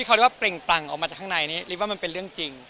ออกมาจากข้างในนี้หรือว่ามันเป็นเรื่องจริง